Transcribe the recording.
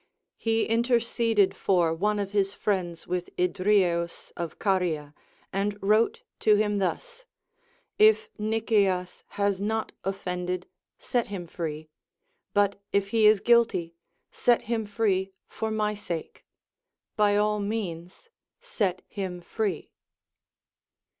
He interceded for one of his friends Avith Idrieus of Caria, and wrote to him thus : If Nicias has not offended, set him free ; but if he is guilty, set him free for my sake ; by all means set him free.